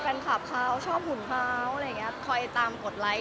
แฟนคลับเขาชอบหุ่นเขาอะไรอย่างเงี้ยคอยตามกดไลค์